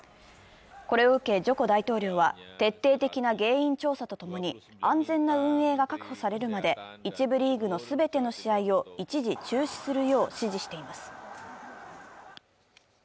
これを受け、ジョコ大統領は徹底的な原因調査とともに、安全な運営が確保されるまで１部リーグの全ての試合を一時中止するよう指示しています。